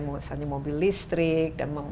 misalnya mobil listrik dan